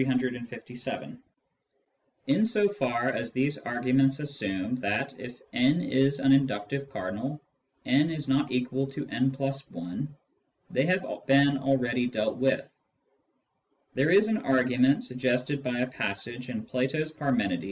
138 Introduction to Mathematical Philosophy In so far as these arguments assume that, if n is an inductive cardinal, n is not equal to «+i, they have been already dealt with. There is an argument, suggested by a passage in Plato's Parmenid.